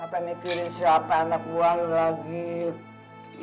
apa mikirin siapa anak buang lagi